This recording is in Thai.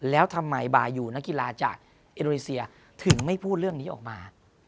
แล้วทำไมบายูนักกีฬาจากอินโดนีเซียถึงไม่พูดเรื่องนี้ออกมา